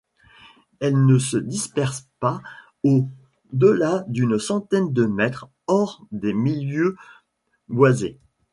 Elle ne se disperse pas au-delà d'une centaine de mètres hors des milieux boisés.